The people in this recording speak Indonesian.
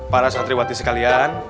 para satri watis sekalian